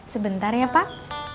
sebentar ya pak